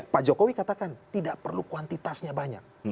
pak jokowi katakan tidak perlu kuantitasnya banyak